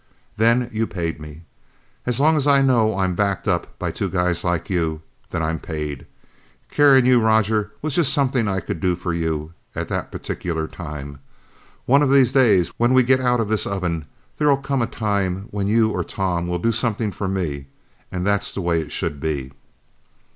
"Then you paid me. As long as I know I'm backed up by two guys like you, then I'm paid. Carrying you, Roger, was just something I could do for you at that particular time. One of these days, when we get out of this oven, there'll come a time when you or Tom will do something for me and that's the way it should be."